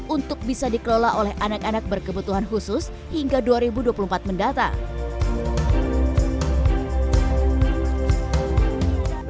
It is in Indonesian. untuk bisa dikelola oleh anak anak berkebutuhan khusus hingga dua ribu dua puluh empat mendatang